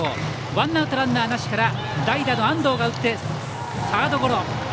ワンアウトランナーなしから代打の安藤が打ってサードゴロ。